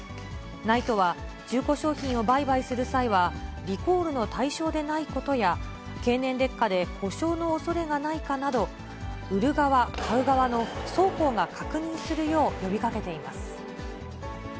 ＮＩＴＥは、中古商品を売買する際は、リコールの対象でないことや、経年劣化で故障のおそれがないかなど、売る側、買う側の双方が確認するよう呼びかけています。